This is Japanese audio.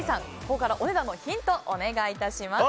ここからお値段のヒントをお願いします。